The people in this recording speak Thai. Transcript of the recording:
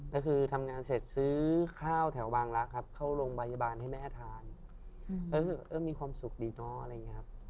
ก็คือทำงานเสร็จซื้อข้าวแถวบางรักครับเข้าโรงพยาบาลให้แม่ทานรู้สึกเออมีความสุขดีเนาะอะไรอย่างนี้ครับ